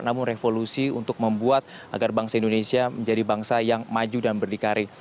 namun revolusi untuk membuat agar bangsa indonesia menjadi bangsa yang maju dan berdikari